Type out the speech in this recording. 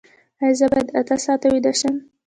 ایا زه باید اته ساعته ویده شم؟